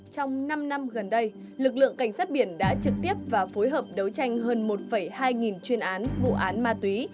trong năm năm gần đây lực lượng cảnh sát biển đã trực tiếp và phối hợp đấu tranh hơn một hai chuyên án vụ án ma túy